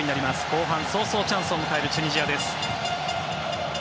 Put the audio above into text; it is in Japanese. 後半早々チャンスを迎えるチュニジアです。